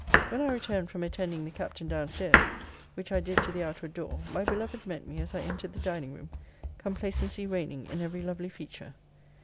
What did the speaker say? When I returned from attending the Captain down stairs, which I did to the outward door, my beloved met me as I entered the dining room; complacency reigning in every lovely feature.